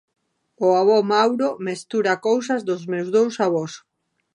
O avó Mauro mestura cousas dos meus dous avós.